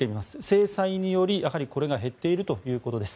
制裁により、やはりこれが減っているということです。